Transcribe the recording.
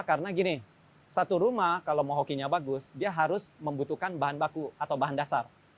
karena gini satu rumah kalau mau hokinya bagus dia harus membutuhkan bahan baku atau bahan dasar